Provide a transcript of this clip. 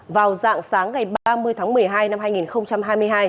vào dạng sáng ngày ba mươi tháng một mươi hai năm hai nghìn hai mươi hai